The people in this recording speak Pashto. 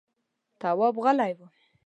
تواب غلی و…